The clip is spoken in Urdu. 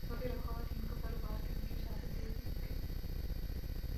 سعودی عرب خواتین کو کاروبار کرنے کی اجازت دے دی گئی